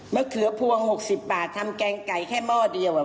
เขือพวง๖๐บาททำแกงไก่แค่หม้อเดียว